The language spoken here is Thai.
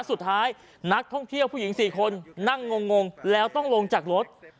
สุดท้ายนักท่องเที่ยวผู้หญิงสี่คนนั่งงงงงแล้วต้องลงจากรถ